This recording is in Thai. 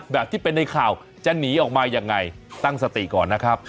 แบบที่เป็นในข่าวจะหนีออกมายังไงตั้งสติก่อนนะครับ